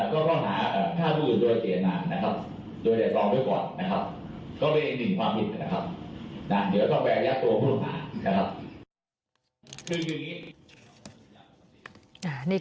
ก็ต้องหาผ้ายุ่นโดยเดทรองด้วยก่อนนะคะ